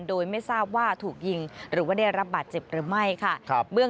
โดยไม่ทราบว่าถูกยิงหรือว่าได้รับบาดเจ็บหรือไม่ค่ะ